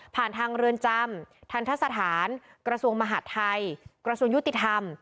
ทางเรือนจำทันทะสถานกระทรวงมหาดไทยกระทรวงยุติธรรม